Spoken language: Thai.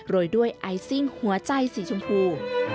ยด้วยไอซิ่งหัวใจสีชมพู